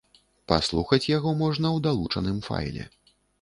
Паслухаць яго можна ў далучаным файле.